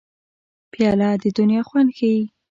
پیاله د دنیا خوند ښيي.